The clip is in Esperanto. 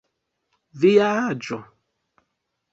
Via aĝo?